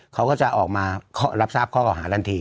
เขาก็จะออกมารับทราบข้อเก่าหาทันที